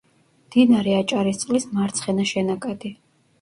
მდინარე აჭარისწყლის მარცხენა შენაკადი.